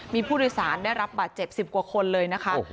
มีผู้โดยสารได้รับบาดเจ็บ๑๐กว่าคนเลยนะคะ